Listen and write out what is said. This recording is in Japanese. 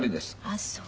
あっそう。